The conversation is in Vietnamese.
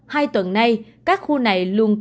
hai tuần nay các khu này đều được điều trị